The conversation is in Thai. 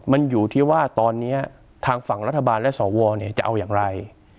มันอยู่ที่ว่าตอนนี้ทางฝั่งรัฐบาลและสวจะเอาอย่างไร